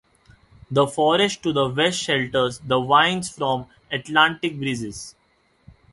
The forest to the west shelters the vines from Atlantic breezes.